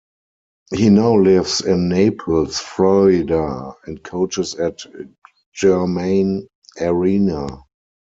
He now lives in Naples, Florida, and coaches at Germain Arena.